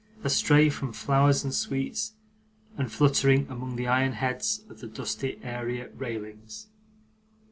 astray from flowers and sweets, and fluttering among the iron heads of the dusty area railings.